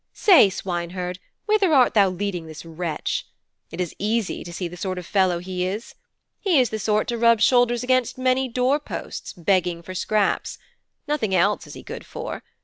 Say, swineherd, whither art thou leading this wretch? It is easy to see the sort of fellow he is! He is the sort to rub shoulders against many doorposts, begging for scraps. Nothing else is he good for.